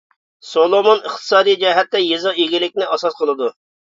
سولومون ئىقتىسادىي جەھەتتە يېزا ئىگىلىكىنى ئاساس قىلىدۇ.